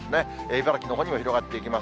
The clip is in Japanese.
茨城のほうにも広がっていきます。